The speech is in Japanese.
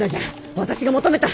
私が求めた！